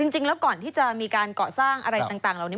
จริงแล้วก่อนที่จะมีการเกาะสร้างอะไรต่างเหล่านี้